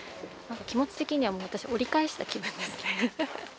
何か気持ち的にはもう私折り返した気分ですね。